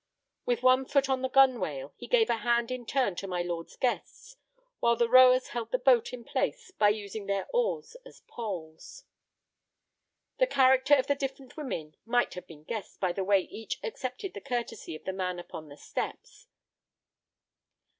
With one foot on the gunwale, he gave a hand in turn to my lord's guests, while the rowers held the boat in place by using their oars as poles. The character of the different women might have been guessed by the way each accepted the curtesy of the man upon the steps.